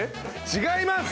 違います！